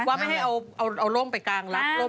ว่าไม่ให้เอาโรงไปกางรับ